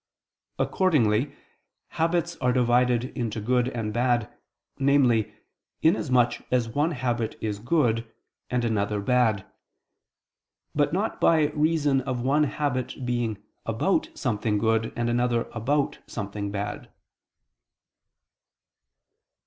Accordingly habits are divided into good and bad, namely, inasmuch as one habit is good, and another bad; but not by reason of one habit being [about] something good, and another about something bad.